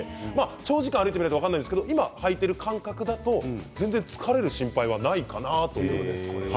長時間歩いてみないと分かりませんが今履いている感覚だと疲れる心配がないかなと思います。